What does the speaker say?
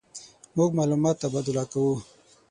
مونږ معلومات تبادله کوو.